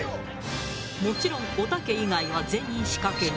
もちろんおたけ以外は全員仕掛け人。